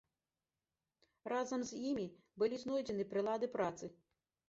Разам з імі былі знойдзены прылады працы.